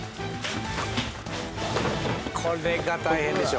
これが大変でしょ。